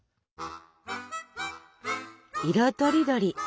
色とりどり！